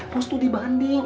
mustu di bandung